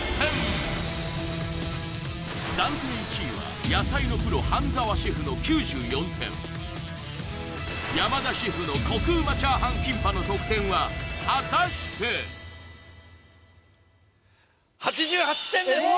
暫定１位は野菜のプロ榛澤シェフの９４点山田シェフのこくうまチャーハンキンパの得点は果たして８８点です・